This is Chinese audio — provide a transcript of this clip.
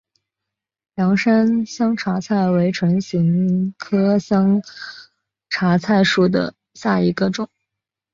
凉山香茶菜为唇形科香茶菜属下的一个种。